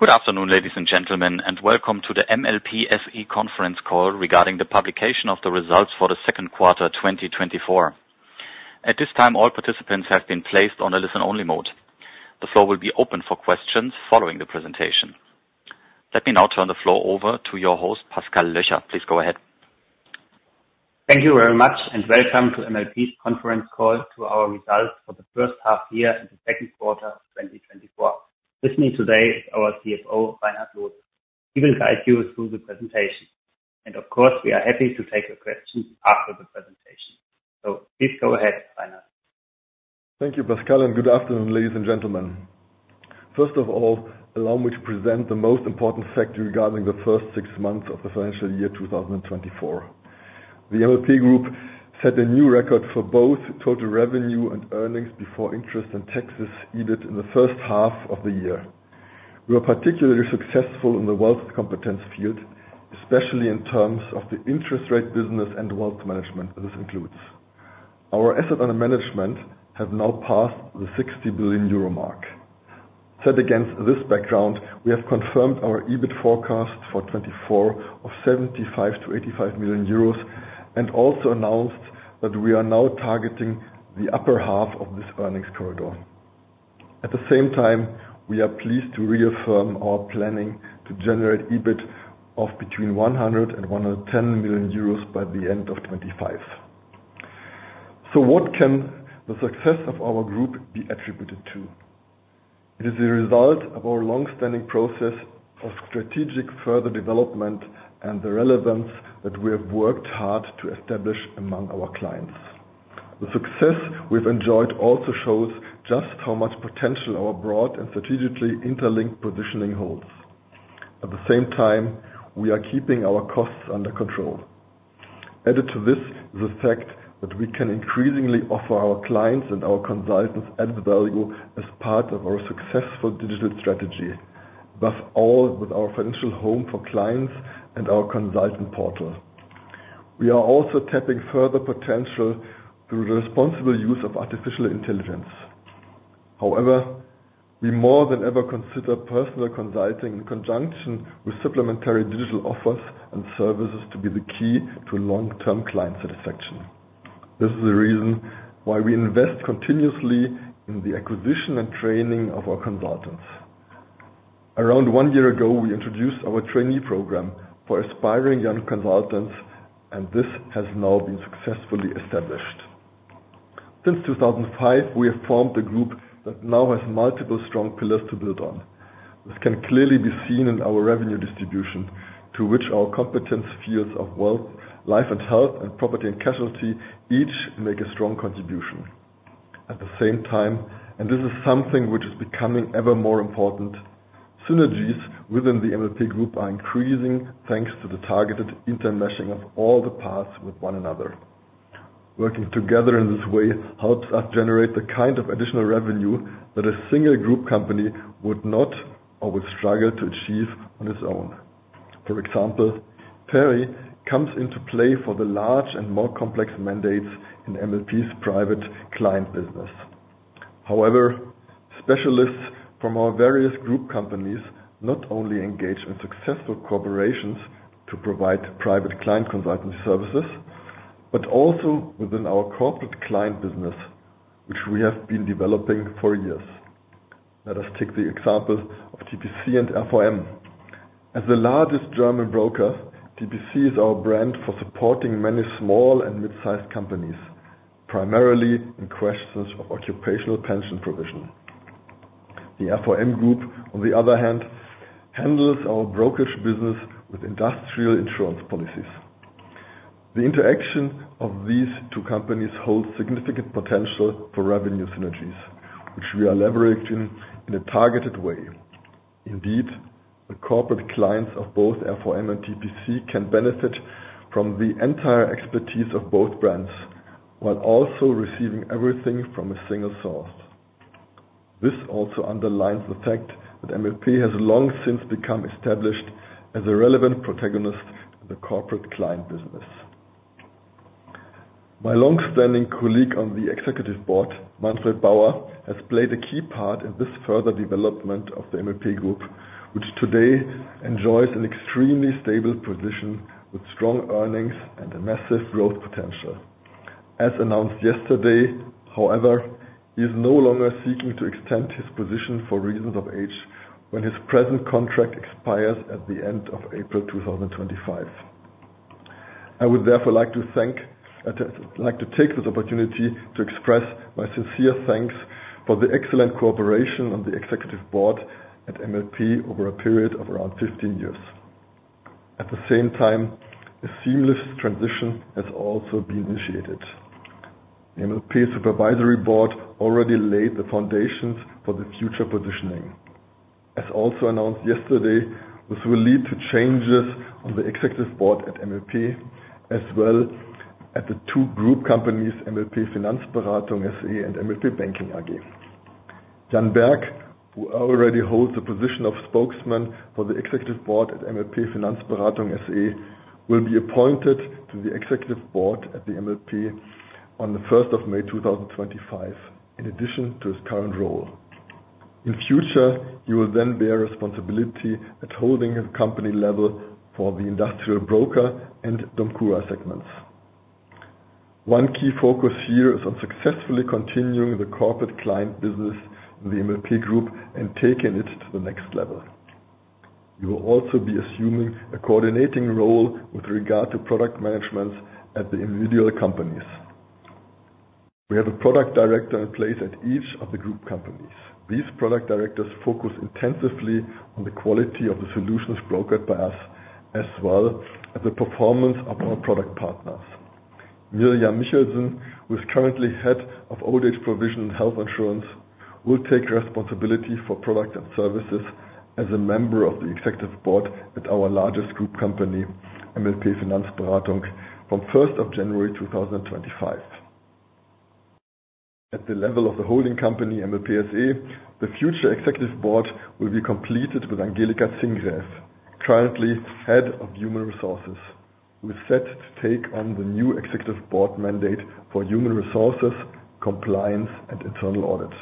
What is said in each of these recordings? Good afternoon, ladies and gentlemen, and welcome to the MLP SE conference call regarding the publication of the results for the second quarter, 2024. At this time, all participants have been placed on a listen-only mode. The floor will be open for questions following the presentation. Let me now turn the floor over to your host, Pascal Löcher. Please go ahead. Thank you very much, and welcome to MLP's conference call to our results for the first half year in the second quarter of 2024. With me today is our CFO, Reinhard Loose. He will guide you through the presentation, and of course, we are happy to take your questions after the presentation. Please go ahead, Reinhard. Thank you, Pascal, and good afternoon, ladies and gentlemen. First of all, allow me to present the most important factor regarding the first six months of the financial year 2024. The MLP Group set a new record for both total revenue and earnings before interest and taxes, EBIT, in the first half of the year. We were particularly successful in the Wealth competence field, especially in terms of the interest rate business and wealth management this includes. Our assets under management have now passed the 60 billion euro mark. Set against this background, we have confirmed our EBIT forecast for 2024 of 75 million-85 million euros and also announced that we are now targeting the upper half of this earnings corridor. At the same time, we are pleased to reaffirm our planning to generate EBIT of between 100 million euros and 110 million euros by the end of 2025. So what can the success of our group be attributed to? It is a result of our long-standing process of strategic further development and the relevance that we have worked hard to establish among our clients. The success we've enjoyed also shows just how much potential our broad and strategically interlinked positioning holds. At the same time, we are keeping our costs under control. Added to this is the fact that we can increasingly offer our clients and our consultants added value as part of our successful digital strategy, above all with our Financial Home for clients and our Consultant Portal. We are also tapping further potential through the responsible use of artificial intelligence. However, we more than ever consider personal consulting in conjunction with supplementary digital offers and services to be the key to long-term client satisfaction. This is the reason why we invest continuously in the acquisition and training of our consultants. Around one year ago, we introduced our trainee program for aspiring young consultants, and this has now been successfully established. Since 2005, we have formed a group that now has multiple strong pillars to build on. This can clearly be seen in our revenue distribution, to which our competence spheres of Wealth, Life & Health, and Property & Casualty each make a strong contribution. At the same time, and this is something which is becoming ever more important, synergies within the MLP Group are increasing, thanks to the targeted intermeshing of all the parts with one another. Working together in this way helps us generate the kind of additional revenue that a single group company would not or would struggle to achieve on its own. For example, FERI comes into play for the large and more complex mandates in MLP's private client business. However, specialists from our various group companies not only engage in successful cooperations to provide private client consultancy services, but also within our corporate client business, which we have been developing for years. Let us take the example of TPC and RVM. As the largest German broker, TPC is our brand for supporting many small and mid-sized companies, primarily in questions of occupational pension provision. The RVM Group, on the other hand, handles our brokerage business with industrial insurance policies. The interaction of these two companies holds significant potential for revenue synergies, which we are leveraging in a targeted way. Indeed, the corporate clients of both RVM and TPC can benefit from the entire expertise of both brands, while also receiving everything from a single source. This also underlines the fact that MLP has long since become established as a relevant protagonist in the corporate client business. My long-standing colleague on the executive board, Manfred Bauer, has played a key part in this further development of the MLP Group, which today enjoys an extremely stable position with strong earnings and a massive growth potential. As announced yesterday, however, he is no longer seeking to extend his position for reasons of age when his present contract expires at the end of April 2025. I would therefore like to thank... I'd like to take this opportunity to express my sincere thanks for the excellent cooperation on the executive board at MLP over a period of around 15 years. At the same time, a seamless transition has also been initiated. MLP supervisory board already laid the foundations for the future positioning. As also announced yesterday, this will lead to changes on the executive board at MLP, as well as at the two group companies, MLP Finanzberatung SE and MLP Banking AG. Jan Berg, who already holds the position of spokesman for the executive board at MLP Finanzberatung SE, will be appointed to the executive board at the MLP SE on the first of May 2025, in addition to his current role. In future, he will then bear responsibility at holding company level for the Industrial Broker and DOMCURA segments. One key focus here is on successfully continuing the corporate client business in the MLP Group and taking it to the next level. He will also be assuming a coordinating role with regard to product management at the individual companies. We have a product director in place at each of the group companies. These product directors focus intensively on the quality of the solutions brokered by us, as well as the performance of our product partners. Miriam Michelsen, who is currently Head of Old-Age Provision and Health Insurance, will take responsibility for product and services as a member of the executive board at our largest group company, MLP Finanzberatung, from first of January two thousand and twenty-five. At the level of the holding company, MLP SE, the future executive board will be completed with Angelika Zinkgräf, currently Head of Human Resources, who is set to take on the new executive board mandate for human resources, compliance, and internal audits.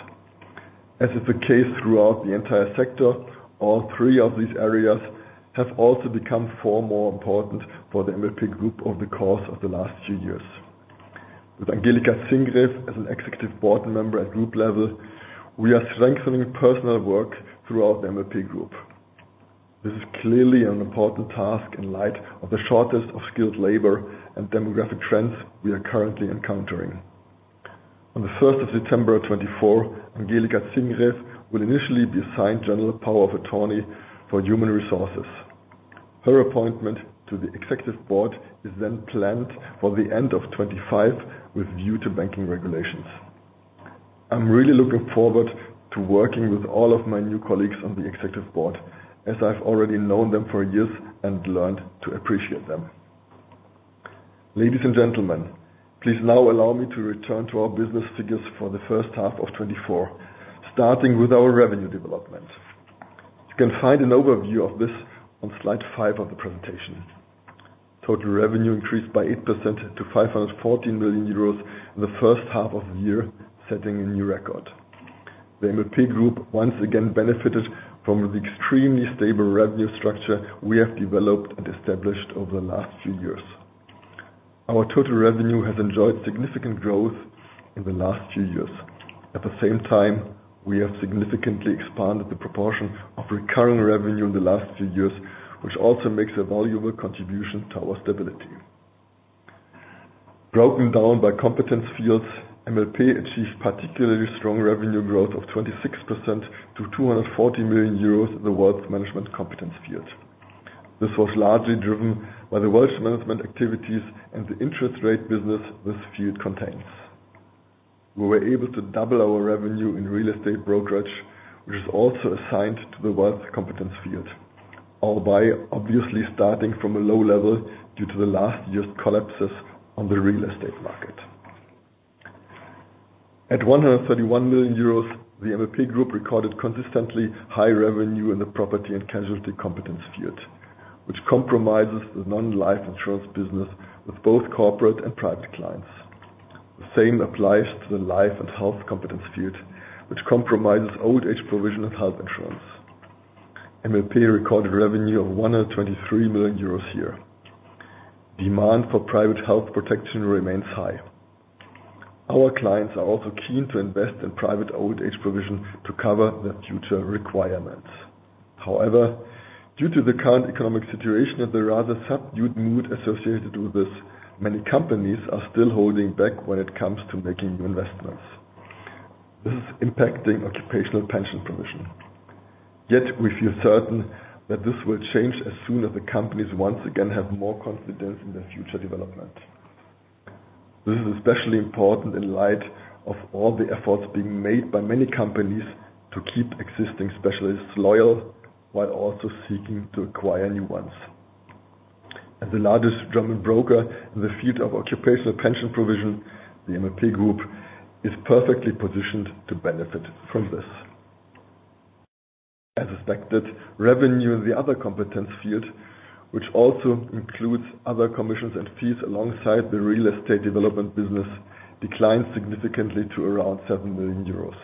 As is the case throughout the entire sector, all three of these areas have also become far more important for the MLP Group over the course of the last few years. With Angelika Zinkgräf as an executive board member at group level, we are strengthening personal work throughout the MLP Group. This is clearly an important task in light of the shortage of skilled labor and demographic trends we are currently encountering. On the first of September 2024, Angelika Zinkgräf will initially be assigned general power of attorney for human resources. Her appointment to the executive board is then planned for the end of 2025, with view to banking regulations. I'm really looking forward to working with all of my new colleagues on the executive board, as I've already known them for years and learned to appreciate them. Ladies and gentlemen, please now allow me to return to our business figures for the first half of 2024, starting with our revenue development. You can find an overview of this on slide five of the presentation. Total revenue increased by 8% to 514 million euros in the first half of the year, setting a new record. The MLP Group once again benefited from the extremely stable revenue structure we have developed and established over the last few years. Our total revenue has enjoyed significant growth in the last few years. At the same time, we have significantly expanded the proportion of recurring revenue in the last few years, which also makes a valuable contribution to our stability. Broken down by competence fields, MLP achieved particularly strong revenue growth of 26% to 240 million euros in the Wealth Management competence field. This was largely driven by the Wealth Management activities and the interest rate business this field contains. We were able to double our revenue in real estate brokerage, which is also assigned to the Wealth competence field, albeit obviously starting from a low level due to the last year's collapses on the real estate market. At 131 million euros, the MLP Group recorded consistently high revenue in the Property & Casualty competence field, which comprises the non-life insurance business with both corporate and private clients. The same applies to the Life & Health competence field, which comprises old age provision and health insurance. MLP recorded revenue of 123 million euros here. Demand for private health protection remains high. Our clients are also keen to invest in private old age provision to cover their future requirements. However, due to the current economic situation and the rather subdued mood associated with this, many companies are still holding back when it comes to making new investments. This is impacting occupational pension provision. Yet we feel certain that this will change as soon as the companies once again have more confidence in their future development. This is especially important in light of all the efforts being made by many companies to keep existing specialists loyal, while also seeking to acquire new ones. As the largest German broker in the field of occupational pension provision, the MLP Group is perfectly positioned to benefit from this. As expected, revenue in the Others competence field, which also includes other commissions and fees alongside the real estate development business, declined significantly to around 7 million euros.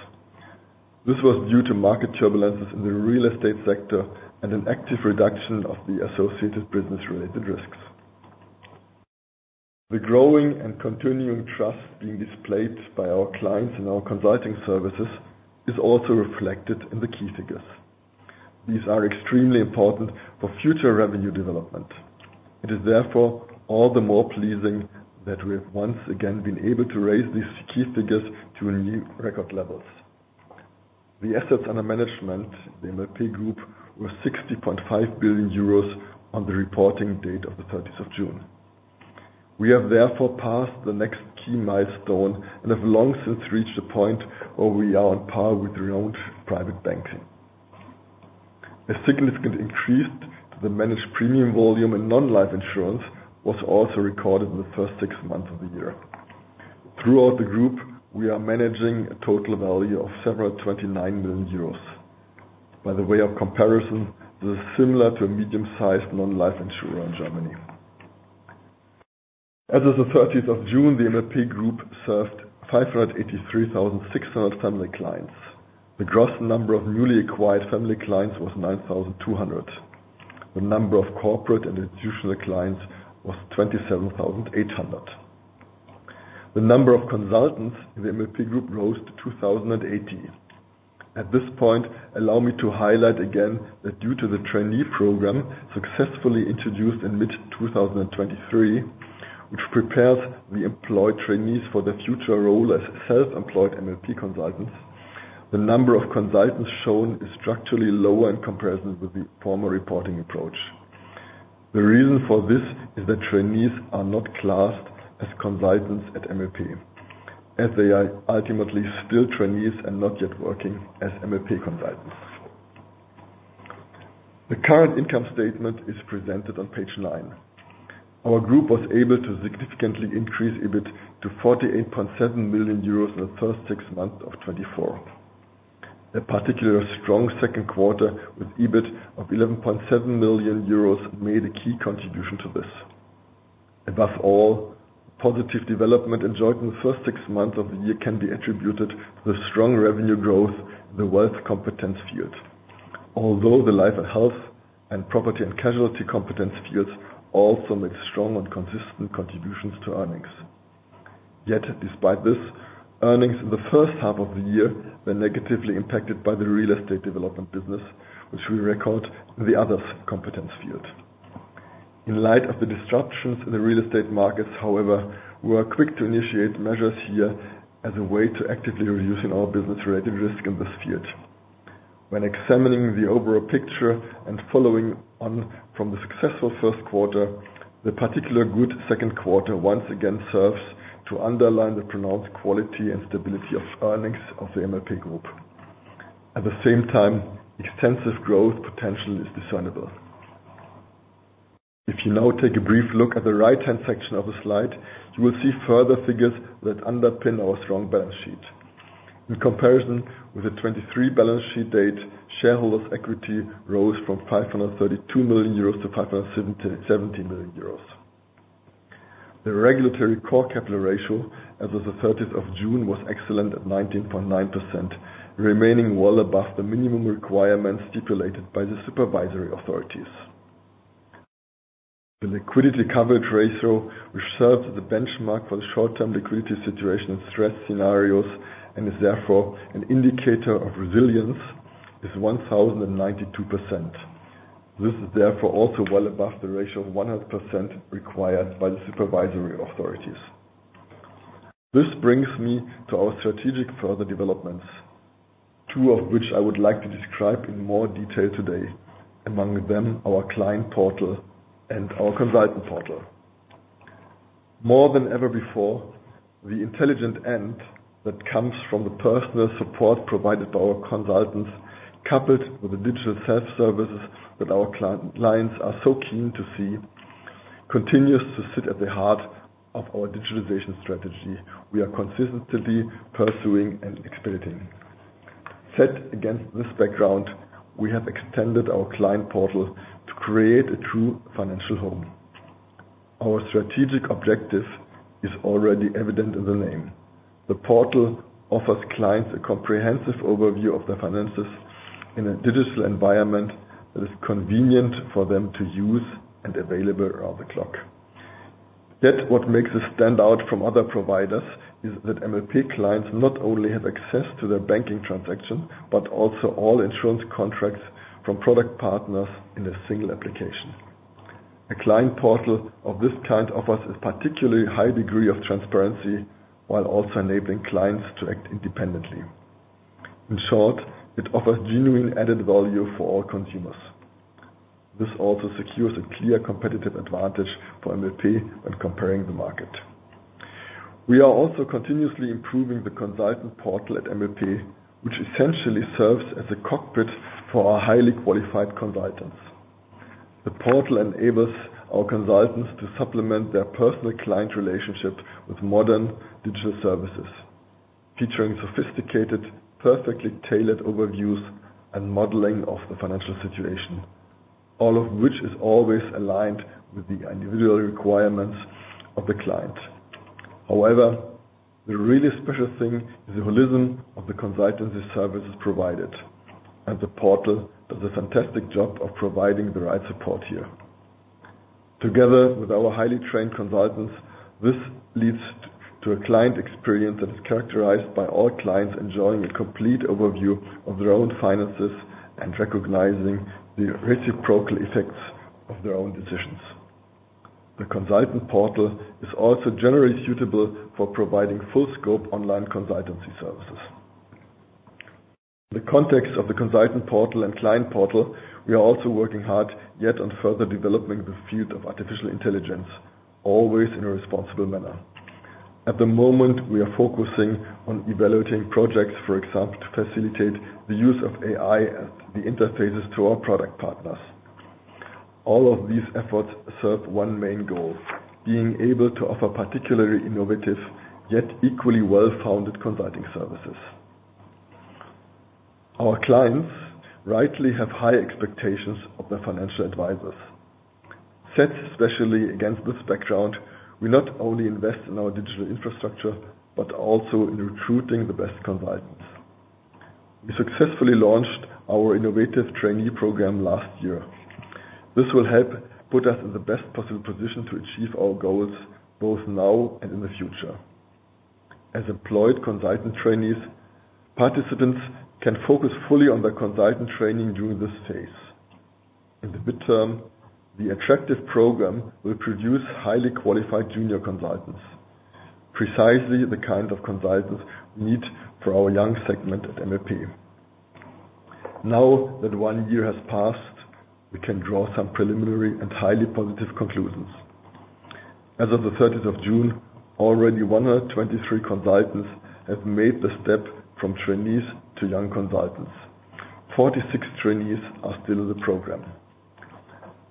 This was due to market turbulences in the real estate sector and an active reduction of the associated business-related risks. The growing and continuing trust being displayed by our clients in our consulting services is also reflected in the key figures. These are extremely important for future revenue development. It is therefore all the more pleasing that we have once again been able to raise these key figures to new record levels. The assets under management, the MLP Group, were 60.5 billion euros on the reporting date of the thirteenth of June. We have therefore passed the next key milestone and have long since reached a point where we are on par with renowned private banking. A significant increase to the managed premium volume and non-life insurance was also recorded in the first six months of the year. Throughout the group, we are managing a total value of 729 million euros. By way of comparison, this is similar to a medium-sized non-life insurer in Germany. As of the 13th of June, the MLP Group served 583,600 family clients. The gross number of newly acquired family clients was 9,200. The number of corporate and institutional clients was 27,800. The number of consultants in the MLP Group rose to 2,080. At this point, allow me to highlight again, that due to the trainee program successfully introduced in mid-2023, which prepares the employed trainees for their future role as self-employed MLP consultants, the number of consultants shown is structurally lower in comparison with the former reporting approach. The reason for this is that trainees are not classed as consultants at MLP, as they are ultimately still trainees and not yet working as MLP consultants. The current income statement is presented on page nine. Our group was able to significantly increase EBIT to 48.7 million euros in the first six months of 2024. A particularly strong second quarter, with EBIT of 11.7 million euros, made a key contribution to this. Above all, positive development enjoyed in the first six months of the year can be attributed to the strong revenue growth in the Wealth competence field. Although the Life & Health and Property & Casualty competence fields also make strong and consistent contributions to earnings. Yet, despite this, earnings in the first half of the year were negatively impacted by the real estate development business, which we record the Others competence field. In light of the disruptions in the real estate markets, however, we are quick to initiate measures here as a way to actively reducing our business-related risk in this field. When examining the overall picture and following on from the successful first quarter, the particular good second quarter once again serves to underline the pronounced quality and stability of earnings of the MLP Group. At the same time, extensive growth potential is discernible. If you now take a brief look at the right-hand section of the slide, you will see further figures that underpin our strong balance sheet. In comparison with the 2023 balance sheet date, shareholders' equity rose from 532 million euros to 517 million euros. The regulatory core capital ratio, as of the 13th of June, was excellent at 19.9%, remaining well above the minimum requirements stipulated by the supervisory authorities. The liquidity coverage ratio, which serves as a benchmark for the short-term liquidity situation and stress scenarios, and is therefore an indicator of resilience, is 1,092%. This is therefore also well above the ratio of 100% required by the supervisory authorities. This brings me to our strategic further developments, two of which I would like to describe in more detail today, among them, our client portal and our Consultant Portal. More than ever before, the intelligent blend that comes from the personal support provided by our consultants, coupled with the digital self-services that our clients are so keen to see, continues to sit at the heart of our digitalization strategy we are consistently pursuing and expediting. Set against this background, we have extended our Client Portal to create a true Financial Home. Our strategic objective is already evident in the name. The portal offers clients a comprehensive overview of their finances in a digital environment that is convenient for them to use and available around the clock. Yet, what makes us stand out from other providers, is that MLP clients not only have access to their banking transaction, but also all insurance contracts from product partners in a single application. A client portal of this kind offers a particularly high degree of transparency, while also enabling clients to act independently. In short, it offers genuine added value for all consumers. This also secures a clear competitive advantage for MLP when comparing the market. We are also continuously improving the Consultant Portal at MLP, which essentially serves as a cockpit for our highly qualified consultants. The portal enables our consultants to supplement their personal client relationships with modern digital services, featuring sophisticated, perfectly tailored overviews and modeling of the financial situation, all of which is always aligned with the individual requirements of the client. However, the really special thing is the holism of the consultancy services provided, and the portal does a fantastic job of providing the right support here. Together with our highly trained consultants, this leads to a client experience that is characterized by all clients enjoying a complete overview of their own finances and recognizing the reciprocal effects of their own decisions. The Consultant Portal is also generally suitable for providing full-scope online consultancy services. In the context of the Consultant Portal and Client Portal, we are also working hard, yet on further developing the field of artificial intelligence, always in a responsible manner. At the moment, we are focusing on evaluating projects, for example, to facilitate the use of AI at the interfaces to our product partners.... All of these efforts serve one main goal: being able to offer particularly innovative, yet equally well-founded consulting services. Our clients rightly have high expectations of their financial advisors. Set especially against this background, we not only invest in our digital infrastructure, but also in recruiting the best consultants. We successfully launched our innovative trainee program last year. This will help put us in the best possible position to achieve our goals, both now and in the future. As employed consultant trainees, participants can focus fully on their consultant training during this phase. In the midterm, the attractive program will produce highly qualified junior consultants, precisely the kind of consultants we need for our young segment at MLP. Now that one year has passed, we can draw some preliminary and highly positive conclusions. As of the 13th of June, already 123 consultants have made the step from trainees to young consultants. 46 trainees are still in the program.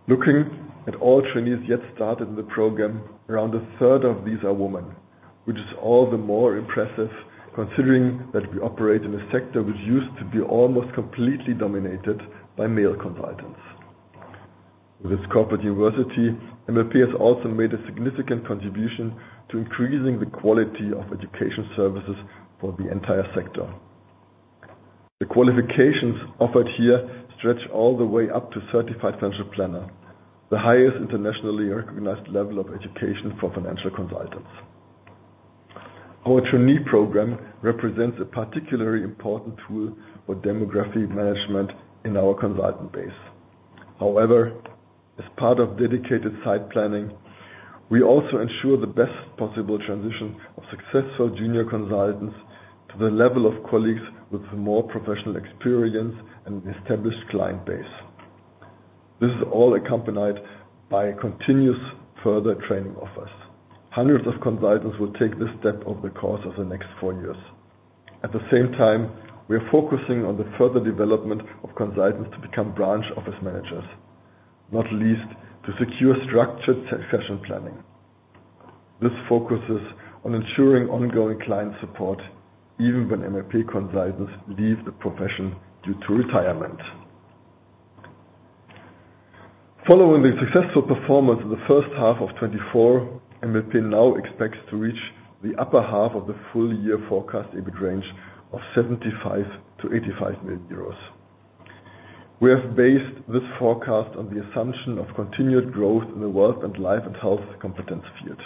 Looking at all trainees that started in the program, around a third of these are women, which is all the more impressive, considering that we operate in a sector which used to be almost completely dominated by male consultants. With its Corporate University, MLP has also made a significant contribution to increasing the quality of education services for the entire sector. The qualifications offered here stretch all the way up to Certified Financial Planner, the highest internationally recognized level of education for financial consultants. Our trainee program represents a particularly important tool for demographic management in our consultant base. However, as part of dedicated site planning, we also ensure the best possible transition of successful junior consultants to the level of colleagues with more professional experience and an established client base. This is all accompanied by a continuous further training offers. Hundreds of consultants will take this step over the course of the next 4 years. At the same time, we are focusing on the further development of consultants to become branch office managers, not least to secure structured succession planning. This focuses on ensuring ongoing client support, even when MLP consultants leave the profession due to retirement. Following the successful performance of the first half of 2024, MLP now expects to reach the upper half of the full-year forecast EBIT range of 75 million-85 million euros. We have based this forecast on the assumption of continued growth in the Wealth and Life & Health competence field.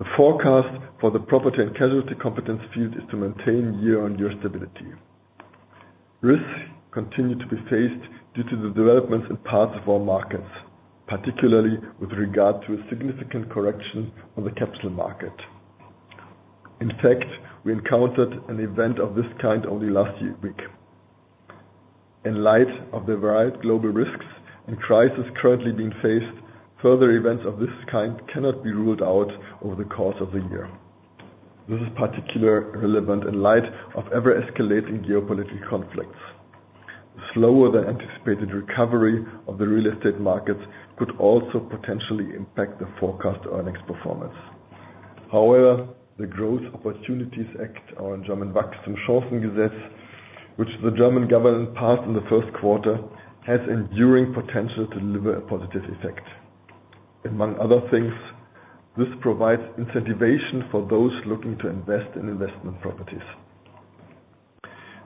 The forecast for the Property & Casualty competence field is to maintain year-on-year stability. Risks continue to be faced due to the developments in parts of our markets, particularly with regard to a significant correction on the capital market. In fact, we encountered an event of this kind only last week. In light of the varied global risks and crisis currently being faced, further events of this kind cannot be ruled out over the course of the year. This is particularly relevant in light of ever-escalating geopolitical conflicts. Slower than anticipated recovery of the real estate markets could also potentially impact the forecast earnings performance. However, the Growth Opportunities Act, or in German, Wachstumschancengesetz, which the German government passed in the first quarter, has enduring potential to deliver a positive effect. Among other things, this provides incentivation for those looking to invest in investment properties.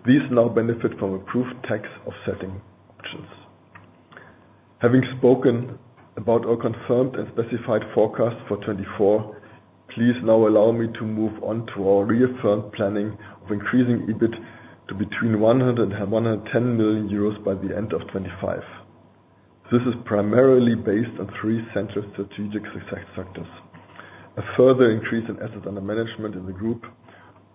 These now benefit from approved tax offsetting options. Having spoken about our confirmed and specified forecast for 2024, please now allow me to move on to our reaffirmed planning of increasing EBIT to between 100 million euros and 110 million euros by the end of 2025. This is primarily based on three central strategic success factors: a further increase in assets under management in the group,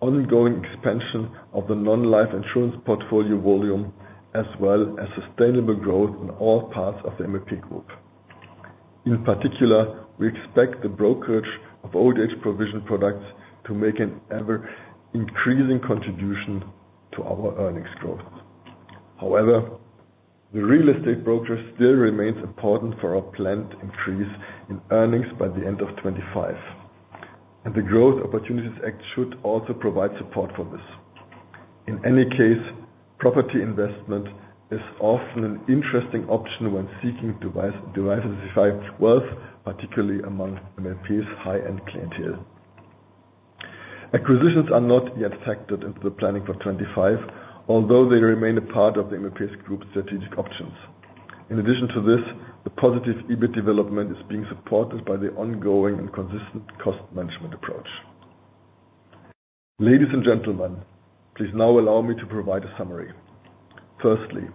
ongoing expansion of the non-life insurance portfolio volume, as well as sustainable growth in all parts of the MLP Group. In particular, we expect the brokerage of old-age provision products to make an ever-increasing contribution to our earnings growth. However, the real estate brokerage still remains important for our planned increase in earnings by the end of 2025, and the Growth Opportunities Act should also provide support for this. In any case, property investment is often an interesting option when seeking diversified wealth, particularly among MLP's high-end clientele. Acquisitions are not yet factored into the planning for 2025, although they remain a part of the MLP Group's strategic options. In addition to this, the positive EBIT development is being supported by the ongoing and consistent cost management approach. Ladies and gentlemen, please now allow me to provide a summary. Firstly,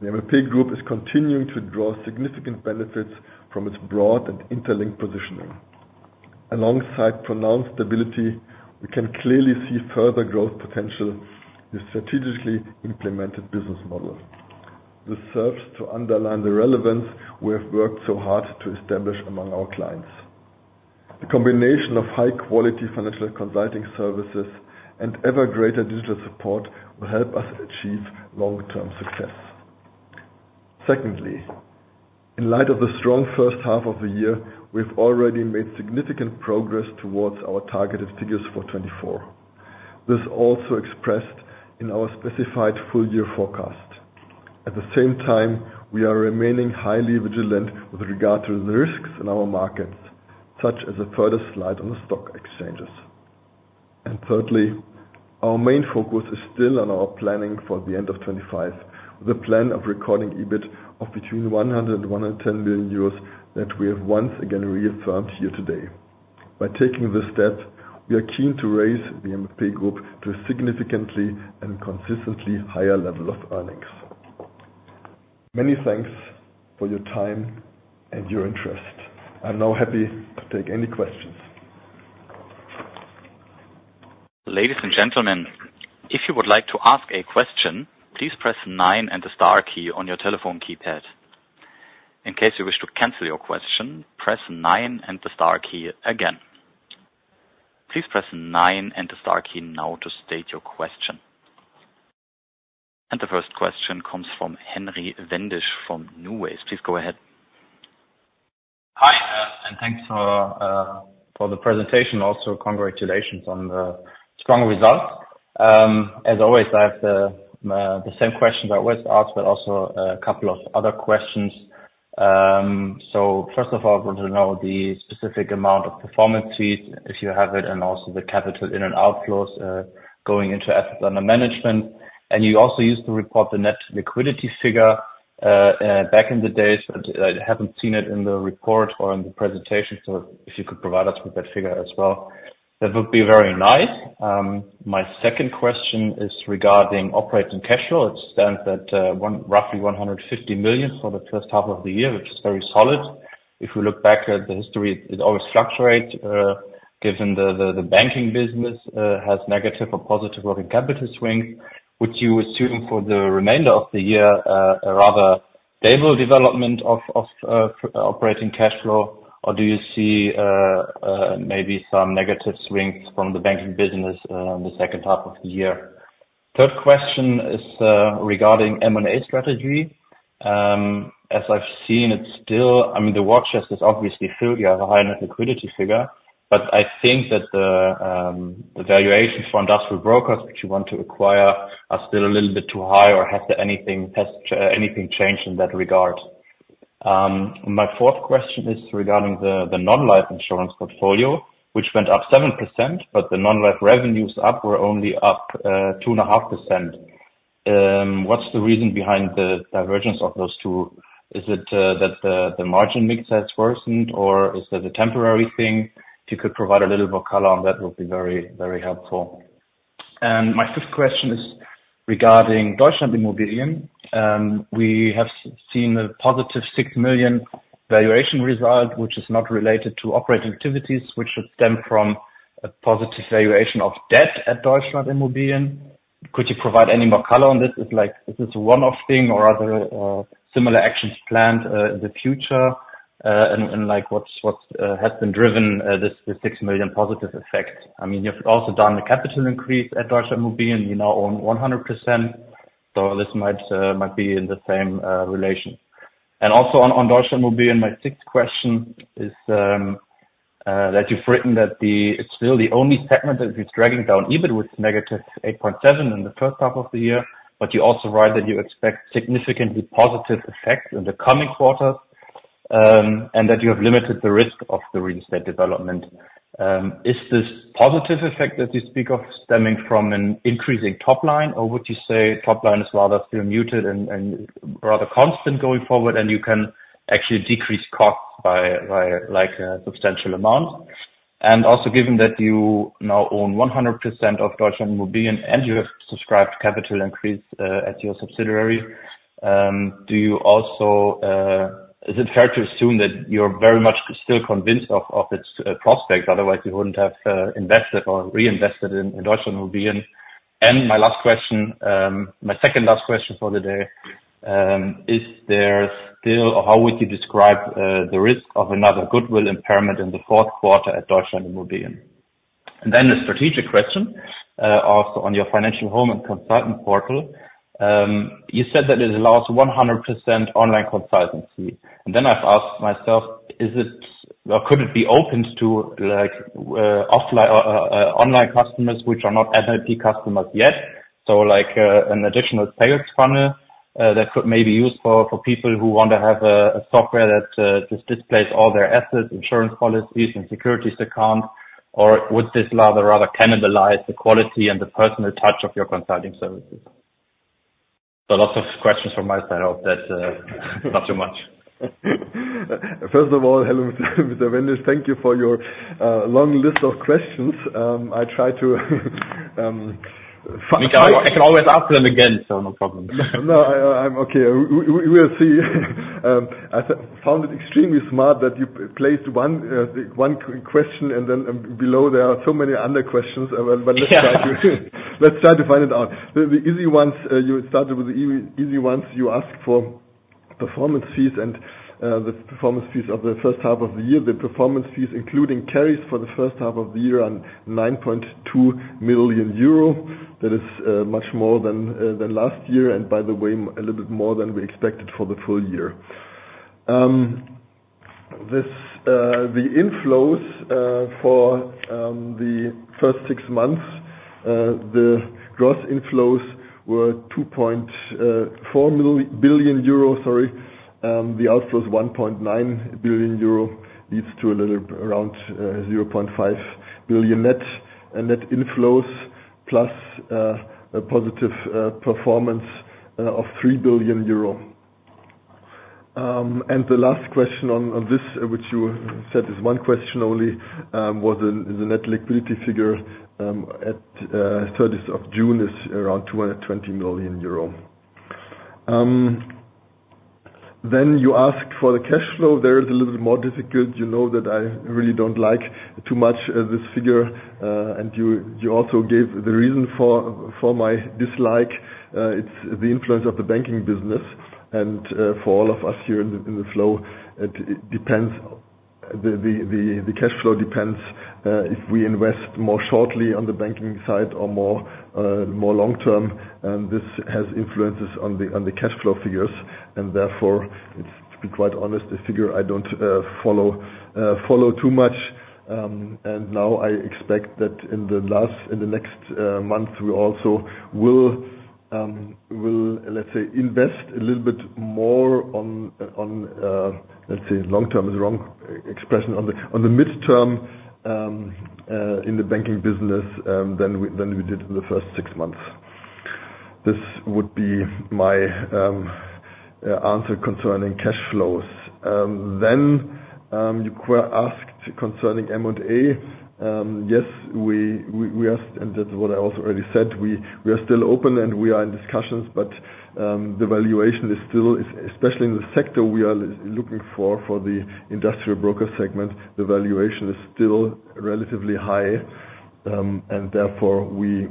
the MLP Group is continuing to draw significant benefits from its broad and interlinked positioning. Alongside pronounced stability, we can clearly see further growth potential in the strategically implemented business model. This serves to underline the relevance we have worked so hard to establish among our clients... The combination of high quality financial consulting services and ever greater digital support will help us achieve long-term success. Secondly, in light of the strong first half of the year, we've already made significant progress towards our targeted figures for 2024. This also expressed in our specified full year forecast. At the same time, we are remaining highly vigilant with regard to the risks in our markets, such as a further slide on the stock exchanges. And thirdly, our main focus is still on our planning for the end of 2025. The plan of recording EBIT of between 100 million and 110 million euros that we have once again reaffirmed here today. By taking this step, we are keen to raise the MLP Group to a significantly and consistently higher level of earnings. Many thanks for your time and your interest. I'm now happy to take any questions. Ladies and gentlemen, if you would like to ask a question, please press nine and the star key on your telephone keypad. In case you wish to cancel your question, press nine and the star key again. Please press nine and the star key now to state your question. The first question comes from Henry Wendisch, from NuWays. Please go ahead. Hi, and thanks for the presentation. Also, congratulations on the strong results. As always, I have the same question I always ask, but also a couple of other questions. So first of all, I want to know the specific amount of performance fees, if you have it, and also the capital in and outflows going into assets under management. And you also used to report the net liquidity figure back in the days, but I haven't seen it in the report or in the presentation. So if you could provide us with that figure as well, that would be very nice. My second question is regarding operating cash flow. It stands at roughly 150 million for the first half of the year, which is very solid. If we look back at the history, it always fluctuates, given the banking business has negative or positive working capital swings. Would you assume for the remainder of the year a rather stable development of operating cash flow? Or do you see maybe some negative swings from the banking business in the second half of the year? Third question is regarding M&A strategy. As I've seen, it's still-- I mean, the watch list is obviously filled. You have a high net liquidity figure. But I think that the valuation for Industrial Brokers, which you want to acquire, are still a little bit too high. Or has anything changed in that regard? My fourth question is regarding the non-life insurance portfolio, which went up 7%, but the non-life revenues were only up 2.5%. What's the reason behind the divergence of those two? Is it that the margin mix has worsened, or is that a temporary thing? If you could provide a little more color on that, would be very, very helpful. And my fifth question is regarding Deutschland.Immobilien. We have seen a positive 6 million valuation result, which is not related to operating activities, which should stem from a positive valuation of debt at Deutschland.Immobilien. Could you provide any more color on this? Is this a one-off thing or are there similar actions planned in the future? And like, what's been driving this, the 6 million positive effect? I mean, you've also done a capital increase at Deutschland.Immobilien, you now own 100%, so this might be in the same relation. And also on Deutschland.Immobilien, my sixth question is, that you've written that it's still the only segment that is dragging down, even with -8.7% in the first half of the year. But you also write that you expect significantly positive effects in the coming quarters, and that you have limited the risk of the real estate development. Is this positive effect that you speak of stemming from an increasing top line, or would you say top line is rather still muted and, and rather constant going forward, and you can actually decrease costs by, by like, a substantial amount? And also, given that you now own 100% of Deutschland.Immobilien, and you have subscribed capital increase at your subsidiary, do you also... Is it fair to assume that you're very much still convinced of its prospect? Otherwise, you wouldn't have invested or reinvested in Deutschland.Immobilien. And my last question, my second last question for the day, is there still, or how would you describe the risk of another goodwill impairment in the fourth quarter at Deutschland.Immobilien? And then a strategic question also on your Financial Home and Consultant Portal. You said that it allows 100% online consultancy. And then I've asked myself, is it or could it be opened to, like, offline or online customers, which are not MLP customers yet? So like, an additional sales funnel that could maybe be used for people who want to have a software that just displays all their assets, insurance policies and securities account. Or would this rather cannibalize the quality and the personal touch of your consulting services? So lots of questions from my side. I hope that's not too much. First of all, hello, Mr. Wendisch. Thank you for your long list of questions. I try to, I can always ask them again, so no problem. No, I'm okay. We will see. I found it extremely smart that you placed one question, and then below there are so many other questions. Yeah. But let's try to find it out. The easy ones, you started with the easy ones. You asked for performance fees and the performance fees of the first half of the year. The performance fees, including carries for the first half of the year, are 9.2 million euro. That is much more than last year, and by the way, a little bit more than we expected for the full year. This, the inflows for the first six months, the gross inflows were 2.4 billion euro, sorry. The outflows 1.9 billion euro, leads to a little around 0.5 billion net. And net inflows plus a positive performance of 3 billion euro. And the last question on this, which you said is one question only, was the net liquidity figure at the 30th of June, is around 220 million euro. Then you asked for the cash flow. There is a little bit more difficult. You know that I really don't like too much this figure. And you also gave the reason for my dislike. It's the influence of the banking business, and for all of us here in the flow, it depends - the cash flow depends if we invest more shortly on the banking side or more long term, and this has influences on the cash flow figures. And therefore, it's to be quite honest, the figure I don't follow too much. And now I expect that in the last, in the next, month, we also will, let's say, invest a little bit more on, on, let's say, long term is the wrong expression. On the, on the midterm, in the banking business, than we did in the first six months. This would be my answer concerning cash flows. Then, you asked concerning M&A. Yes, we, we, we are, and that's what I also already said, we, we are still open, and we are in discussions, but, the valuation is still, especially in the sector we are looking for, for the Industrial Broker segment, the valuation is still relatively high. And therefore, we,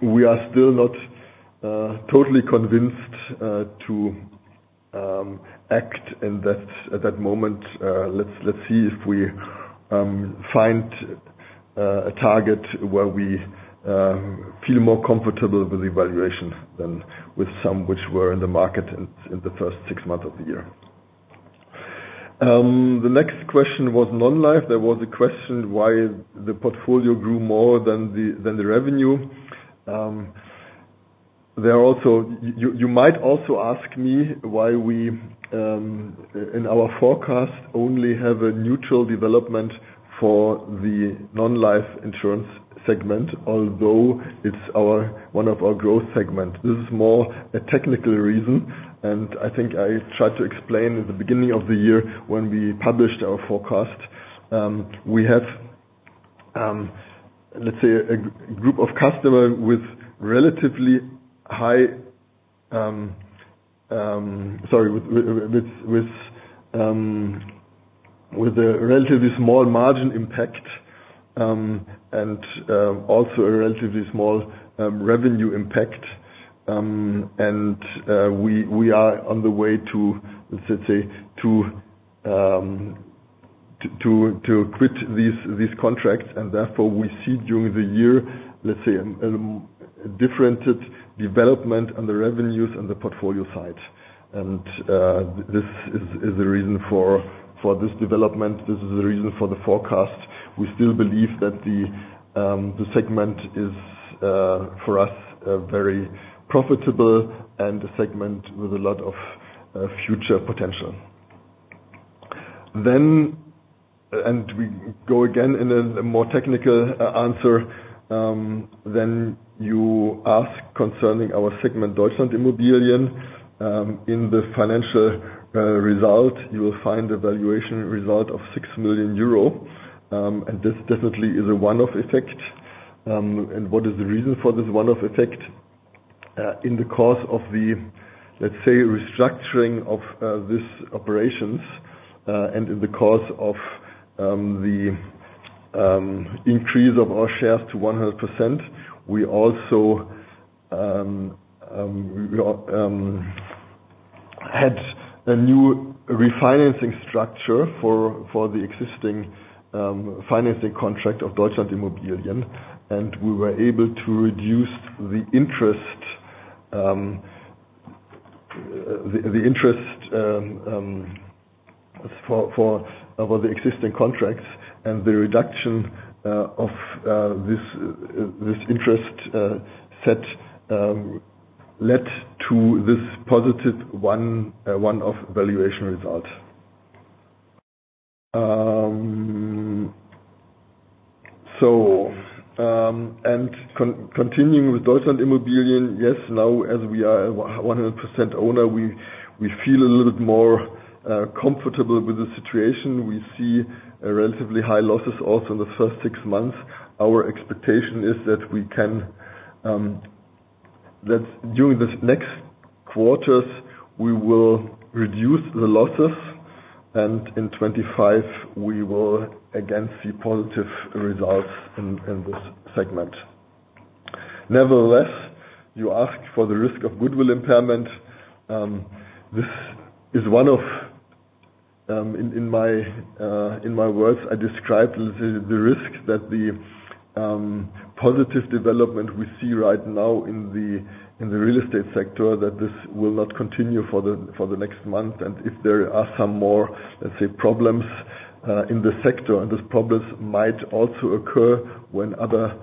we are still not, totally convinced, to act in that, at that moment. Let's see if we find a target where we feel more comfortable with the valuation than with some which were in the market in the first six months of the year. The next question was non-life. There was a question, why the portfolio grew more than the revenue? There are also... You might also ask me why we in our forecast only have a neutral development for the non-life insurance segment, although it's our one of our growth segment. This is more a technical reason, and I think I tried to explain at the beginning of the year when we published our forecast. We have, let's say, a group of customers with a relatively small margin impact, and also a relatively small revenue impact. We are on the way to, let's say, quit these contracts, and therefore, we see during the year, let's say, a different development on the revenues and the portfolio side. This is the reason for this development. This is the reason for the forecast. We still believe that the segment is for us a very profitable and a segment with a lot of future potential. Then we go again in a more technical answer. Then you ask concerning our segment, Deutschland.Immobilien. In the financial result, you will find a valuation result of 6 million euro, and this definitely is a one-off effect. What is the reason for this one-off effect? In the course of the, let's say, restructuring of this operations, and in the course of the increase of our shares to 100%, we also had a new refinancing structure for the existing financing contract of Deutschland.Immobilien, and we were able to reduce the interest, the interest for the existing contracts. And the reduction of this interest set led to this positive one-off valuation result. Continuing with Deutschland.Immobilien, yes, now, as we are a 100% owner, we feel a little bit more comfortable with the situation. We see relatively high losses also in the first six months. Our expectation is that we can, that during these next quarters, we will reduce the losses, and in 2025, we will again see positive results in this segment. Nevertheless, you asked for the risk of goodwill impairment. This is one of, in my words, I described the risk that the positive development we see right now in the real estate sector, that this will not continue for the next month. And if there are some more, let's say, problems in the sector, and these problems might also occur when other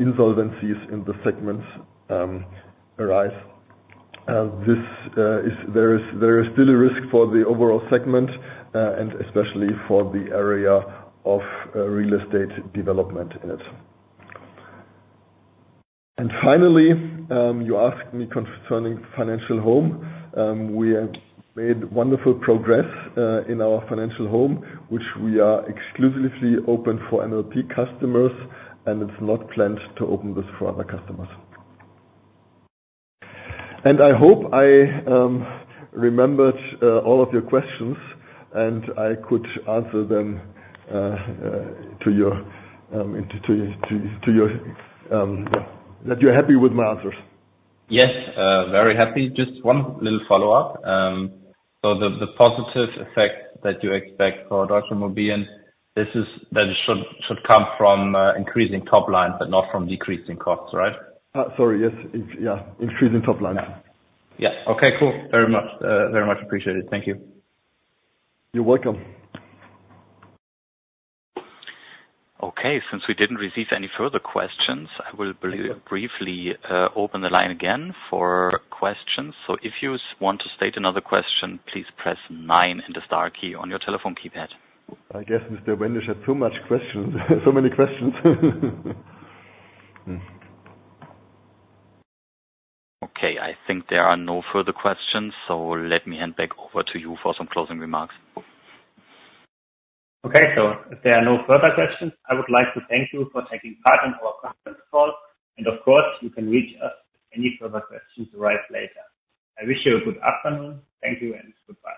insolvencies in the segments arise. There is still a risk for the overall segment, and especially for the area of real estate development in it. And finally, you asked me concerning Financial Home. We have made wonderful progress in our Financial Home, which we are exclusively open for MLP customers, and it's not planned to open this for other customers. And I hope I remembered all of your questions, and I could answer them to your... That you're happy with my answers? Yes, very happy. Just one little follow-up. So the, the positive effect that you expect for Deutschland.Immobilien, this is, that it should, should come from increasing top line, but not from decreasing costs, right? Sorry, yes. It's, yeah, increasing top line. Yeah. Okay, cool. Very much, very much appreciated. Thank you. You're welcome. Okay. Since we didn't receive any further questions, I will briefly open the line again for questions. So, if you want to state another question, please press nine and the star key on your telephone keypad. I guess Mr. Wendisch had too much questions, so many questions. Okay, I think there are no further questions, so let me hand back over to you for some closing remarks. Okay, so if there are no further questions, I would like to thank you for taking part in our conference call, and of course, you can reach us if any further questions arise later. I wish you a good afternoon. Thank you and goodbye.